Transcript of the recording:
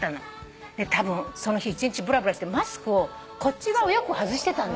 たぶんその日一日ぶらぶらしてマスクをこっち側をよく外してたのよ。